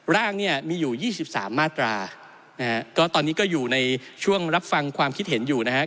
ร่างเนี่ยมีอยู่๒๓มาตรานะฮะก็ตอนนี้ก็อยู่ในช่วงรับฟังความคิดเห็นอยู่นะครับ